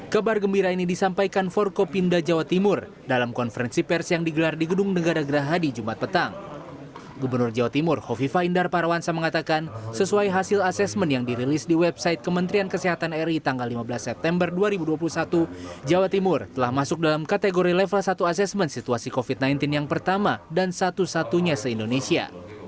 kepada jawa timur jawa timur telah masuk dalam kategori level satu asesmen situasi covid sembilan belas yang pertama dan satu satunya se indonesia